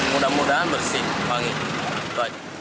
mudah mudahan bersih panggilan